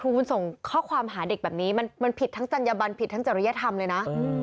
ครูส่งข้อความไปหาเด็กป่ะมันผิดทั้งจริยฐริยธรรมเลยนะ